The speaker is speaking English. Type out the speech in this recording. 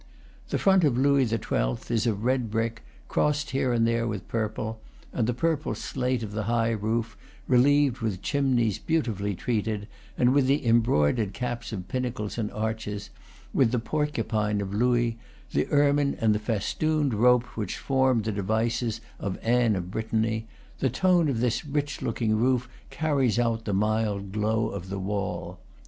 The front of Louis XII. is of red brick, crossed here and there with purple; and the purple slate of the high roof, relieved with chimneys beautifully treated, and with the embroidered caps of pinnacles and arches, with the porcupine of Louis, the ermine and the festooned rope which formed the devices of Anne of Brittany, the tone of this rich looking roof carries out the mild glow of the wall.